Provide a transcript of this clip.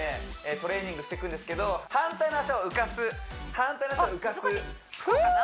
トレーニングしていくんですけど反対の足を浮かす反対の足を浮かすあっ難しいこうかな？